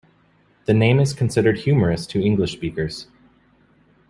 The name is considered humorous to English speakers.